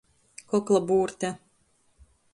Koklabūrte.